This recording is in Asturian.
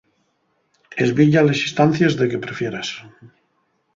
Esbilla les instancies de que prefieras.